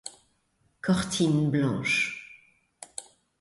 Cortine blanche.